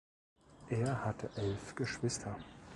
Er hatte elf Geschwister.